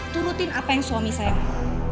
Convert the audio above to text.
turutin apa yang suami sayang kamu